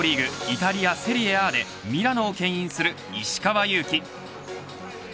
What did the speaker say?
イタリア、セリエＡでミラノをけん引する石川祐希。